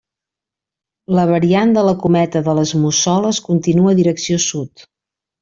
La variant de la Cometa de les Mussoles continua direcció sud.